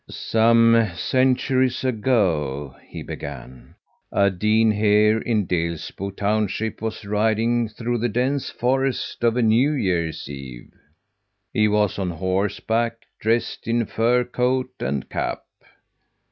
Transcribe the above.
"Some centuries ago," he began, "a dean here in Delsbo township was riding through the dense forest on a New Year's Eve. He was on horseback, dressed in fur coat and cap.